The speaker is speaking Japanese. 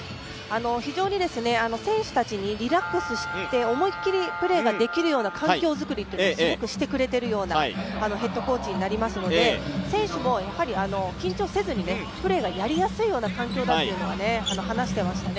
非常に選手たちにリラックスして思いっきりプレーをできるような環境づくりをすごくしてくれているようなヘッドコーチになりますので、選手も緊張せずに、プレーがやりやすい環境だというのは話していましたね。